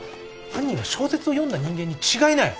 犯人は小説を読んだ人間に違いない。